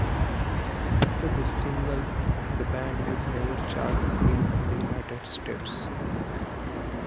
After this single, the band would never chart again in the United States.